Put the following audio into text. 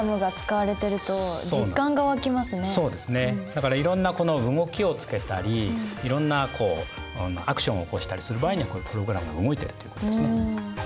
だからいろんな動きをつけたりいろんなアクションを起こしたりする場合にはこういうプログラムが動いてるということですね。